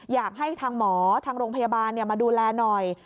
อยากให้ทางหมอทางโรงพยาบาลมาดูแลหน่อย